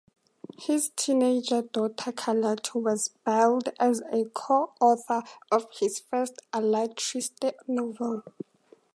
His teenage daughter Carlota was billed as a co-author of his first Alatriste novel.